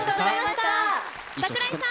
櫻井さん！